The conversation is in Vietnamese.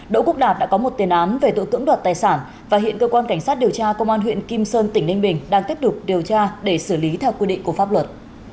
đỗ quốc đạt đã có một tiền án về tội cưỡng đoạt tài sản và hiện cơ quan cảnh sát điều tra công an huyện kim sơn tỉnh ninh bình đang tiếp tục điều tra để xử lý theo quy định của pháp luật